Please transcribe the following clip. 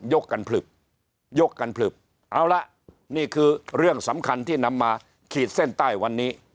กันผลึบยกกันผลึบเอาละนี่คือเรื่องสำคัญที่นำมาขีดเส้นใต้วันนี้